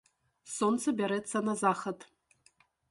Сонца бярэцца на захад.